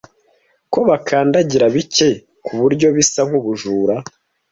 ko bakandagira bike kuburyo bisa nkubujura